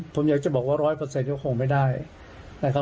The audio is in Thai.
ผมอยากจะบอกว่า๑๐๐ก็คงไม่ได้นะครับ